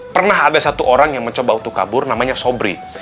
pernah ada satu orang yang mencoba untuk kabur namanya sobri